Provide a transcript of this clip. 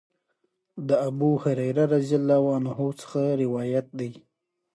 د ابوهريره رضی الله عنه نه روايت دی :